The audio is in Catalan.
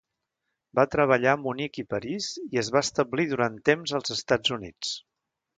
Va treballar a Munic i París i es va establir durant temps als Estats Units.